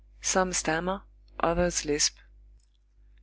Some stammer, others lisp.